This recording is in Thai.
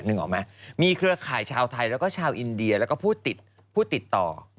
ออกไหมมีเครือข่ายชาวไทยแล้วก็ชาวอินเดียแล้วก็ผู้ติดต่อ